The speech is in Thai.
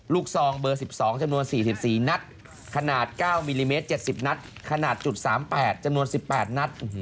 ซองเบอร์๑๒จำนวน๔๔นัดขนาด๙มิลลิเมตร๗๐นัดขนาด๓๘จำนวน๑๘นัด